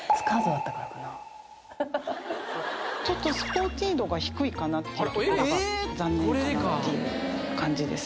ちょっとスポーティー度が低いかなっていうところが残念かなっていう感じです